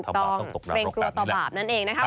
ต้องเกรงกลัวต่อบาปนั่นเองนะคะ